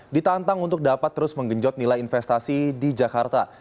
ditantang untuk dapat terus menggenjot nilai investasi di jakarta